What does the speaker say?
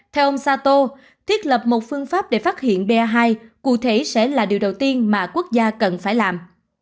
theo ông sato thiết lập một phương pháp để phát hiện ba hai cụ thể sẽ là điều đầu tiên mà quốc gia cần phải làm